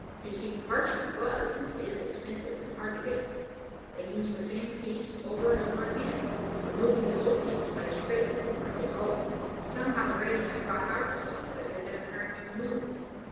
You see parchment was and is expensive, and hard to get. They used the same piece over and over again, removing the old inks by scraping or dissolving. Somehow the radium brought out the stuff that had been apparently removed.